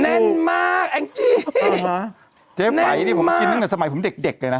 แน่นมากแองจี้เจ๊ไหมนี่ผมกินตั้งแต่สมัยผมเด็กเด็กเลยนะ